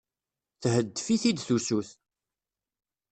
Theddef-it-id tusut.